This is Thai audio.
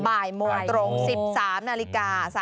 บ่ายโมงตรง๑๓นาฬิกา